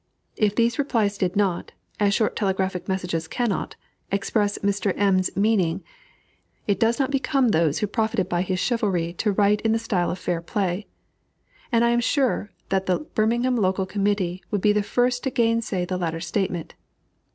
If these replies did not as short telegraphic messages cannot express Mr. M.'s meaning, it does not become those who profited by his chivalry to write in the style of "Fairplay;" and I am sure that the Birmingham local committee would be the first to gainsay the latter's statement.